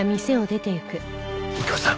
右京さん。